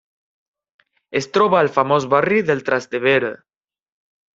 Es troba al famós barri del Trastevere.